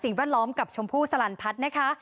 สิ่งวาล้อมกับชมพู่สลานพัฏนะคะ